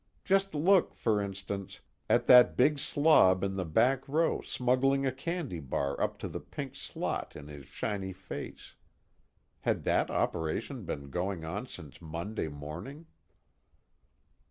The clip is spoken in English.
Just look, for instance, at that big slob in the back row smuggling a candy bar up to the pink slot in his shiny face. Had that operation been going on since Monday morning?